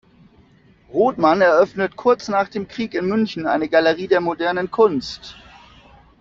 Rothman eröffnet kurz nach dem Krieg in München eine Galerie der modernen Kunst.